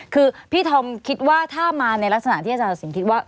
คือพี่ธอมคิดว่าถ้ามาในลักษณะที่อาจารย์สินคิดว่า